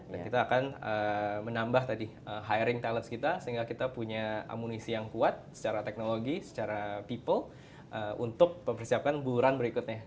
dan kita akan menambah tadi hiring talent kita sehingga kita punya amunisi yang kuat secara teknologi secara people untuk persiapkan buluran berikutnya